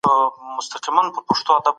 بهرنۍ پالیسي د اړیکو ثبات نه خرابوي.